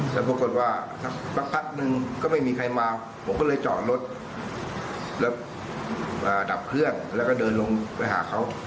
แล้วปรากฏว่าสักพักนึงก็ไม่มีใครมาผมก็เลยจอดรถแล้วดับเครื่องแล้วก็เดินลงไปหาเขา